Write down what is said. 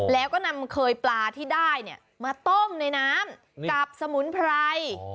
แล้วก็นำเคยปลาที่ได้มาต้มในน้ำกับสมุนไพร